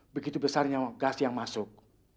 begitu besarnya gas yang masuk